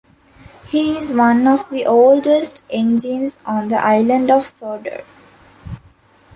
He is one of the oldest engines on the Island of Sodor.